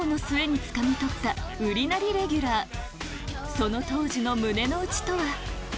その当時の胸の内とは？